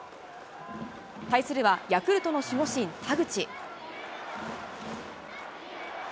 対するはヤクルトの守護神、田口。